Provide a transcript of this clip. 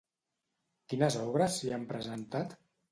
Quines obres s'hi han presentat?